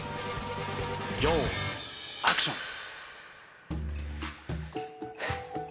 用意アクション。